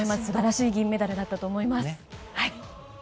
素晴らしい銀メダルだったと思います。